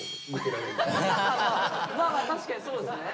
まあまあ確かにそうですね。